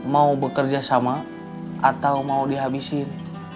mau bekerja sama atau mau dihabisin